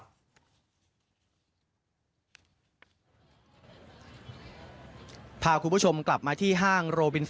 ติดตามคุณศักดิ์ศิษฐ์รูมรักษ์ห้ามรายงานสดจากพื้นที่